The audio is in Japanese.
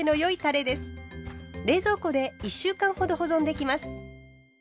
冷蔵庫で１週間ほど保存できます。